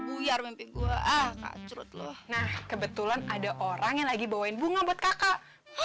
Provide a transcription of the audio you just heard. buyar mimpi gue kak cerut loh nah kebetulan ada orang yang lagi bawain bunga buat kakak